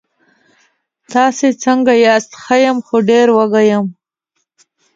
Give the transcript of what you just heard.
تاسې څنګه یاست؟ ښه یم، خو ډېر وږی یم.